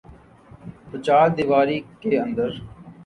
توچاردیواری کے اندر۔